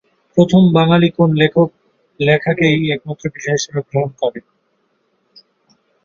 প্রথম বাঙালি কোন লেখক লেখাকেই একমাত্র পেশা হিসেবে গ্রহণ করে?